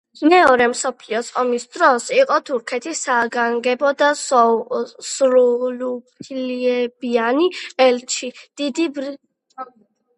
მეორე მსოფლიო ომის დროს იყო თურქეთის საგანგებო და სრულუფლებიანი ელჩი დიდ ბრიტანეთში.